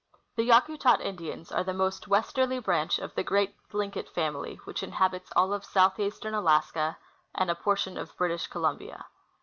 The Yakutat Indians are the most westerly branch of the great Thlinket famil,y which inhabits all of southeastern Alaska and a portion of British Columbia.